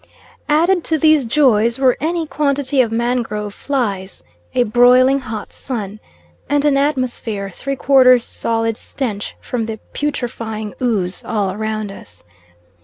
Added to these joys were any quantity of mangrove flies, a broiling hot sun, and an atmosphere three quarters solid stench from the putrefying ooze all round us.